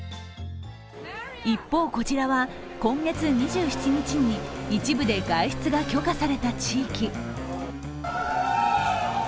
一方、こちらは今月２７日に一部で外出が許可された地域。